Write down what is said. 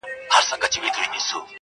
عزیز دي راسي د خپلوانو شنه باغونه سوځي،